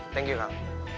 thank you kau